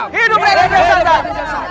hidup raden kian santang